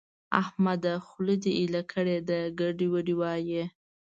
احمده! خوله دې ايله کړې ده؛ ګډې وډې وايې.